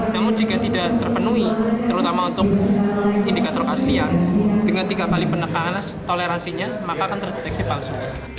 namun jika tidak terpenuhi terutama untuk indikator keaslian dengan tiga kali penekanan toleransinya maka akan terdeteksi palsu